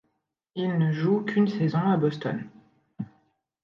Il ne joue qu'une saison à Boston.